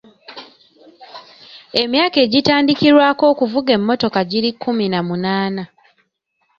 Emyaka egitandikirwako okuvuga emmotoka giri kkumi na munaana.